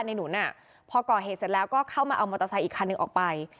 หนุนพอก่อเหตุเสร็จแล้วก็เข้ามาเอามอเตอร์ไซค์อีกคันหนึ่งออกไป